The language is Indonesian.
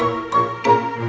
ya allah ya allah